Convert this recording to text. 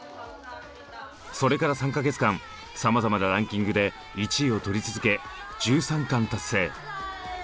それから３か月間様々なランキングで１位を取り続け１３冠達成。